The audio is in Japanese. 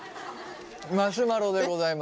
マシュマロでございます。